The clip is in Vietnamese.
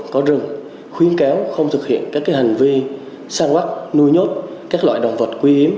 có rừng khuyến cáo không thực hiện các hành vi săn quắc nuôi nhốt các loại động vật quý hiếm